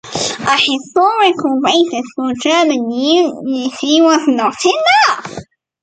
A historical basis for German unity was not enough.